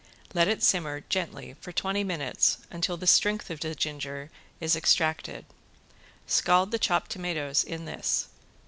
Let it simmer gently for twenty minutes until the strength of the ginger is extracted. Scald the chopped tomatoes in this.